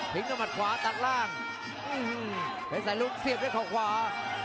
ทิ้งกับหมัดขวาตัดล่างอื้อฮือไปใส่ลูกเสียบด้วยของขวา